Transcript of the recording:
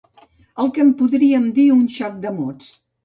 El que en podríem dir un xoc de mots.